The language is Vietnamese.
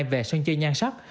về sân chơi nhan sắc